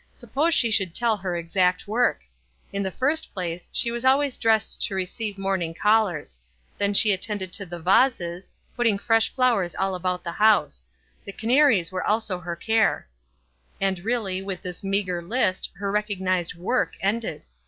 Suppose she should tell her exact work ! In the first place she was always dressed to receive morning call ers ; then she attended to the vases, putting fresh flowers all about the house ; the canaries were also her care ; and really, with this meagre list, her recognized work ended.